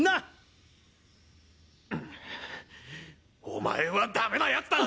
お前は駄目なやつだ！